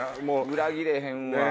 裏切れへんわ。